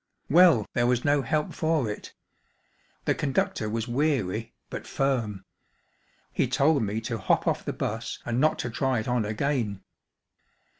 Well, there was no help for it. The conductor was weary, but firm. He told me to hop off the bus and not to try it on again.